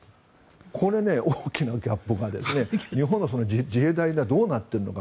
これ、大きなギャップが日本の自衛隊はどうなっているのか。